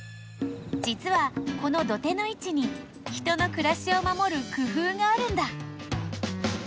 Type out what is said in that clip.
じつはこの土手のいちに人のくらしをまもる工夫があるんだ。